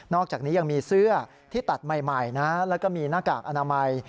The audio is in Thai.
อกจากนี้ยังมีเสื้อที่ตัดใหม่นะแล้วก็มีหน้ากากอนามัย